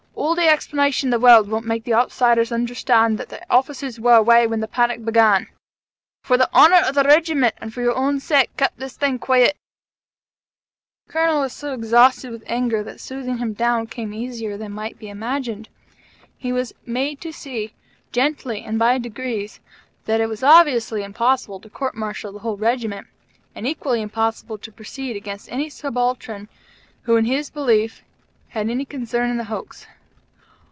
All the explanations in the world won't make outsiders understand that the officers were away when the panic began. For the honor of the Regiment and for your own sake keep this thing quiet." The Colonel was so exhausted with anger that soothing him down was not so difficult as might be imagined. He was made to see, gently and by degrees, that it was obviously impossible to court martial the whole Regiment, and equally impossible to proceed against any subaltern who, in his belief, had any concern in the hoax.